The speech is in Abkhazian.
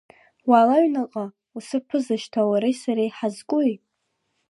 Уаала аҩныҟа, усаԥыза, шьҭа уареи сареи ҳазкуи?!